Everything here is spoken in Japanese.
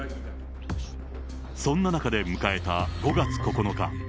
そんな中で迎えた５月９日。